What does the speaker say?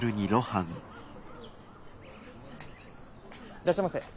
いらっしゃいませ。